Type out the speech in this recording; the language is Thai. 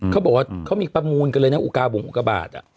เขาบอกว่าเขามีประมูลกันเลยแบบบุรีอุปกรณ์บาท